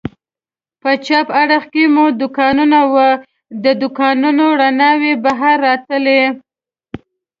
په چپ اړخ کې مو دوکانونه و، د دوکانونو رڼاوې بهر راتلې.